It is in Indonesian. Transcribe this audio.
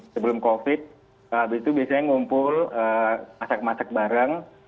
sebelum covid habis itu biasanya ngumpul masak masak bareng